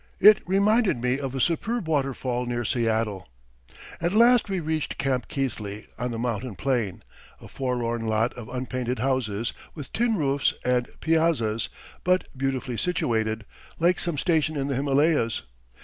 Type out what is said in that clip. It reminded me of a superb waterfall near Seattle. At last we reached Camp Keithley, on the mountain plain, a forlorn lot of unpainted houses with tin roofs and piazzas, but beautifully situated, like some station in the Himalayas.